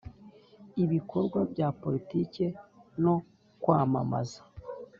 Ibikorwa bya politiki no kwamamaza